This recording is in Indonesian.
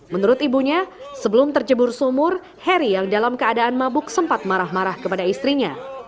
menurut ibunya sebelum terjebur sumur heri yang dalam keadaan mabuk sempat marah marah kepada istrinya